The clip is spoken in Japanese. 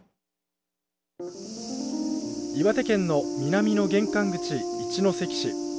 岩手県の南の玄関口、一関市。